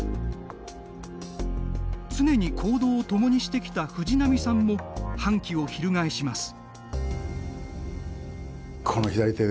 常に行動を共にしてきた藤波さんも反旗を翻します。